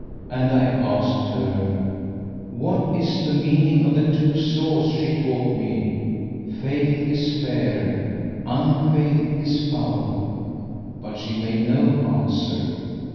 And I asked her, "What is the meaning of the two saws she taught me? 'Faith is fair! Unfaith is foul!'" But she made no answer.